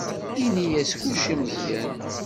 Ini-as kullec i Meẓyan.